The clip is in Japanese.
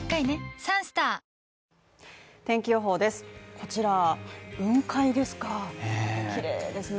こちら雲海ですかね。